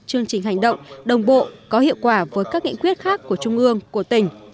chương trình hành động đồng bộ có hiệu quả với các nghị quyết khác của trung ương của tỉnh